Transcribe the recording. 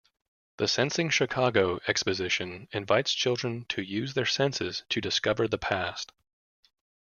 The "Sensing Chicago" exhibition invites children to use their senses to discover the past.